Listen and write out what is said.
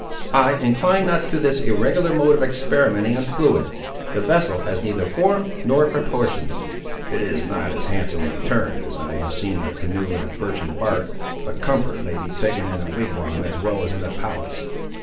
"I incline not to this irregular mode of experimenting on fluids. The vessel has neither form, nor proportions." "It is not as handsomely turned as I have seen a canoe in birchen bark, but comfort may be taken in a wigwam as well as in a palace."